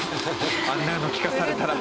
あんなの聞かされたら。